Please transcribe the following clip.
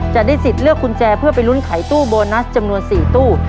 จะได้สิทธิ์เลือกกุญแจเพื่อไปลุ้นไขตู้โบนัสจำนวน๔ตู้